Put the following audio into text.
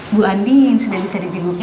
bu andin sudah bisa di jenguk ya